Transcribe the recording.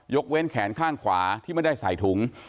เว้นแขนข้างขวาที่ไม่ได้ใส่ถุง